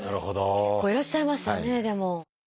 結構いらっしゃいますよねでも。